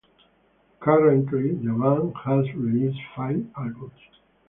Currently, the band has released five albums.